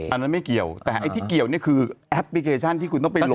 อันนั้นไม่เกี่ยวแต่ไอ้ที่เกี่ยวนี่คือแอปพลิเคชันที่คุณต้องไปลง